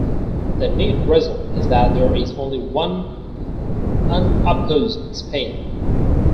The net result is that there is only one unopposed spin.